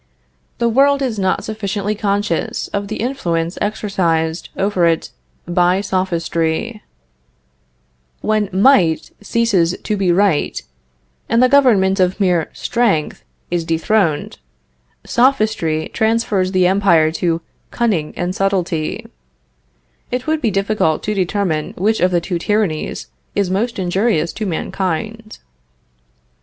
The world is not sufficiently conscious of the influence exercised over it by Sophistry. When might ceases to be right, and the government of mere strength is dethroned, Sophistry transfers the empire to cunning and subtilty. It would be difficult to determine which of the two tyrannies is most injurious to mankind.